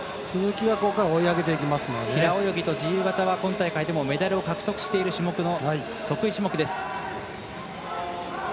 平泳ぎと自由形は今大会でもメダルを獲得している得意種目です。